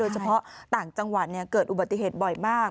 เฉพาะต่างจังหวัดเกิดอุบัติเหตุบ่อยมาก